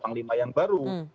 panglima yang baru